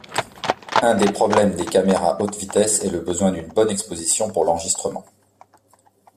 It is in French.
Un des problèmes des caméras haute-vitesse est le besoin d'une bonne exposition pour l'enregistrement.